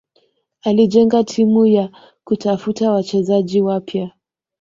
Alijenga timu kwa kutafuta wachezaji wapya